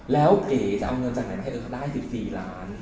แล้วเก๋จะเอาเงินจากไหนมาให้เธอได้๑๔ล้าน